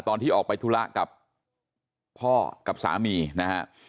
ตอนที่ออกไปธุระกับพ่อกับสามีนะฮะ